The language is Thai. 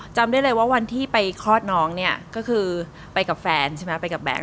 จำได้เลยว่าวันที่ไปคลอดน้องเนี่ยก็คือไปกับแฟนใช่ไหมไปกับแก๊ง